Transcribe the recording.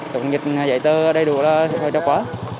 chuột kiểm dịch dạy từ đầy đủ là sẽ thôi chắc quá